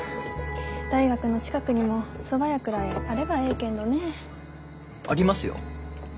大学の近くにもそば屋くらいあればえいけんどね。ありますよ。